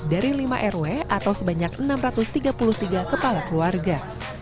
dari lima rw atau sebanyak enam ratus tiga puluh tiga kepala keluarga